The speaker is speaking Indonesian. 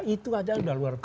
itu aja udah luar